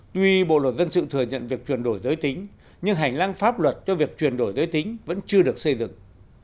tuy bộ luật dân sự thừa nhận việc chuyển đổi giới tính nhưng hành lang pháp luật cho việc chuyển đổi giới tính vẫn chưa được xây dựng